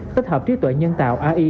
thích hợp trí tuệ nhân tạo ai